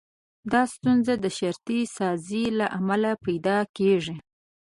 دا ستونزه د شرطي سازي له امله پيدا کېږي.